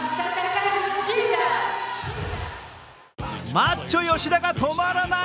マッチョ吉田が止まらない。